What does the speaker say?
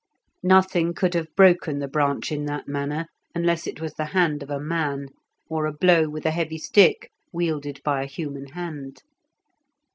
Nothing could have broken the branch in that manner unless it was the hand of a man, or a blow with a heavy stick wielded by a human hand.